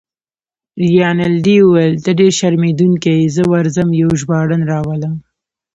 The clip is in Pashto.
رینالډي وویل: ته ډیر شرمېدونکی يې، زه ورځم یو ژباړن راولم.